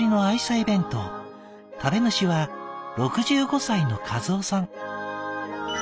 「食べ主は６５歳の和雄さん。